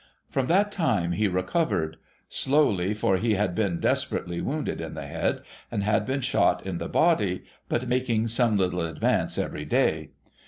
From that time, he recovered. Slowly, for he had been despe rately wounded in the head, and had been shot in the body, but making some little advance every day.